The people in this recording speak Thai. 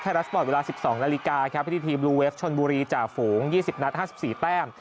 ไทรัสปอร์ตเวลาสิบสองนาฬิกาครับที่ทีมลูเวฟชนบุรีจ่าฝูงยี่สิบนัดห้าสิบสี่แต้ม